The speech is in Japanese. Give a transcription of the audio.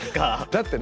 だってね